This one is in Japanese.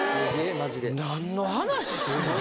何の話してんの？